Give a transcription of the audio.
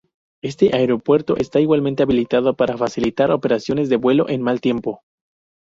Este aeropuerto está igualmente habilitado para facilitar operaciones de vuelo en mal tiempo.